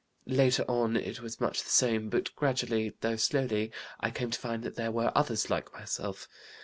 Later on it was much the same, but gradually, though slowly, I came to find that there were others like myself.